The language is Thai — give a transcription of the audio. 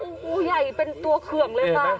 โอ้โหใหญ่เป็นตัวเขื่องเลยค่ะ